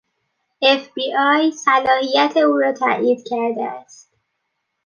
اف بی آی صلاحیت او را تایید کرده است.